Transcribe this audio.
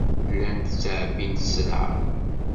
Llant ttɛebbint sselɛa.